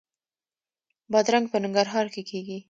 بادرنګ په ننګرهار کې کیږي